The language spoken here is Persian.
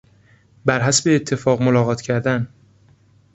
بر حسب اتفاق ملاقات کردن